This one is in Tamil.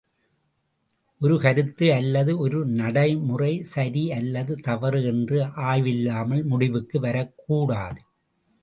ஒரு கருத்து அல்லது ஒரு நடைமுறை சரி அல்லது தவறு என்று ஆய்வில்லாமல் முடிவுக்கு வரக்கூடாது.